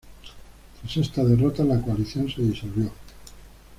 Tras esta derrota, la coalición se disolvió.